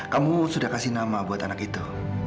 kamu sudah kasih nama buat anak itu